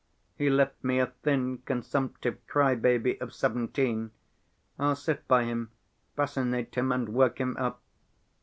He left me a thin, consumptive cry‐baby of seventeen. I'll sit by him, fascinate him and work him up.